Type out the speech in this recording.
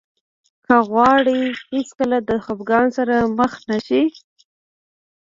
که غواړئ هېڅکله د خفګان سره مخ نه شئ.